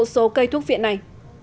số cây thuốc viện này